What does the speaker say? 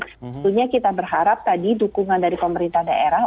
tentunya kita berharap tadi dukungan dari pemerintah daerah